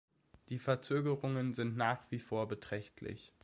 Die Verzögerungen sind nach wie vor beträchtlich.